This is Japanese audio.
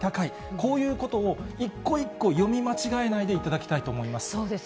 こういうことを、一個一個読み間違えないでいただきたいと思います。